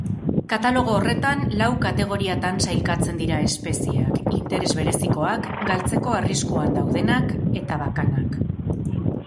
Katalogo horretan lau kategoriatan sailkatzen dira espezieak: interes berezikoak, galtzeko arriskuan daudenak eta bakanak.